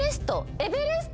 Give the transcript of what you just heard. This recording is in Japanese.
「エベレスト」。